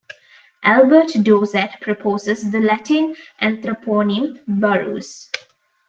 Albert Dauzat proposes the Latin anthroponym "Barus".